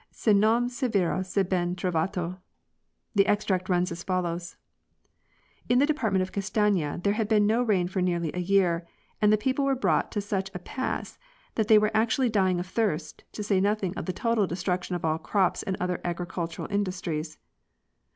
Se non é vero é ben trovato. The extract runs as follows In the department of Castaflas there had been no rain for nearly a year, and the people were brought to such a pass that they were actually dying of thirst, to say nothing of the total destruction of all crops and other agricultural industries.